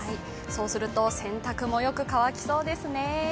そうすると、洗濯もよく乾きそうですね。